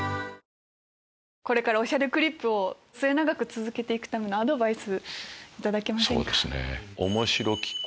これから『おしゃれクリップ』を末永く続けていくためのアドバイス頂けませんか？